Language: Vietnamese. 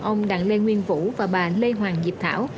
ông đặng lê nguyên vũ và bà lê hoàng diệp thảo